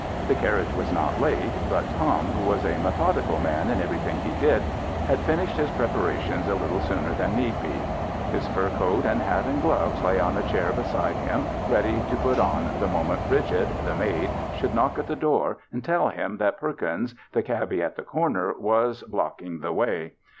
The carriage was not late, but Tom, who was a methodical man in everything he did, had finished his preparations a little sooner than need be. His fur coat and hat and gloves lay on a chair beside him, ready to put on the moment Bridget, the maid, should knock at the door and tell him that Perkins, the cabby at the corner, was block ing the way.